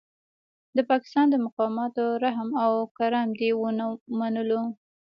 د پاکستان د مقاماتو رحم او کرم دې ونه منلو.